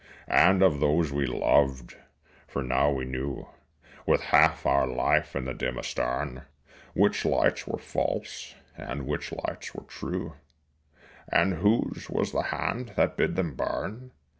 And of those we loved for now we knew With half our life in the dim astern Which lights were false and which lights were true, And whose was the hand that bid them burn.